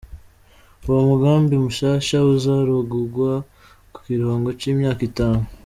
Uwo mugambi mushasha uzorangugwa ku kiringo c'imyaka itanu.